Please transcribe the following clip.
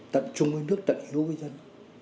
tận chung với nước tận yêu với dân